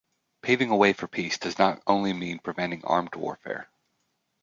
Paving a way for peace does not only mean preventing armed warfare.